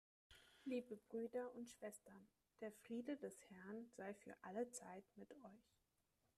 Liebe Brüder und Schwestern, der Friede des Herrn sei für alle Zeit mit euch.